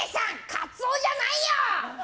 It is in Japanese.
カツオじゃないよ！